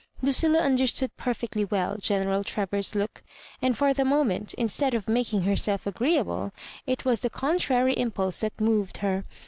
Lucilla understood perfectly well General Tra verses look, and for the moment, instead of making herself agreeable, it was the contrary impulse that moved her.